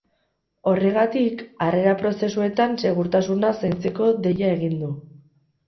Horregatik, harrera prozesuetan segurtasuna zaintzeko deia egin du.